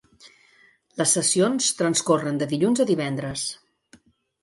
Les sessions transcorren de dilluns a divendres.